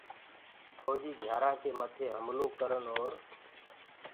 ڦوجيٚ گھيارآنٚ ڪي مٿي هملو ڪرن اور